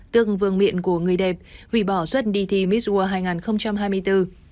tương vương miện của người đẹp hủy bỏ xuất đi thi miss world hai nghìn hai mươi bốn